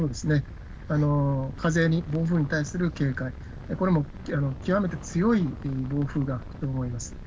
風に暴風に対する警戒、これも極めて強い暴風が吹くと思います。